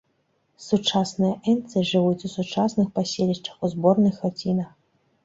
Сучасныя энцы жывуць у сучасных паселішчах у зборных хацінах.